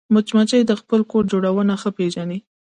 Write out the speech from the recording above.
مچمچۍ د خپل کور جوړونه ښه پېژني